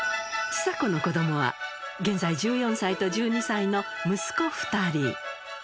ちさ子の子どもは、現在１４歳と１２歳の息子２人。